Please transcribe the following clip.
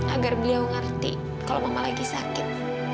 agar beliau ngerti kalau mama lagi sakit